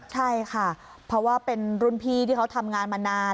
ใช่ค่ะเพราะว่าเป็นรุ่นพี่ที่เขาทำงานมานาน